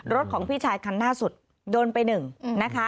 รถของพี่ชายคันหน้าสุดโดนไปหนึ่งนะคะ